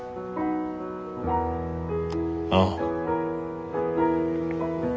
ああ。